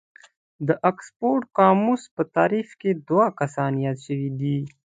د اکسفورډ قاموس په تعريف کې دوه کسان ياد شوي دي.